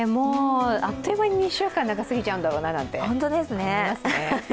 あっという間に２週間なんか過ぎちゃうんだろうなと思いますね。